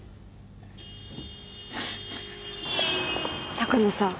鷹野さん。